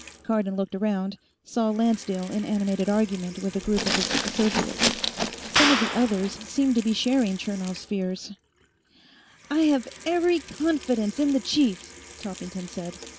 Cardon looked around, saw Lancedale in animated argument with a group of his associates. Some of the others seemed to be sharing Chernov's fears. "I have every confidence in the chief," Toppington said.